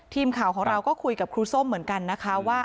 ทีมข่าวของเราก็คุยกับครูส้มเหมือนกันนะคะว่า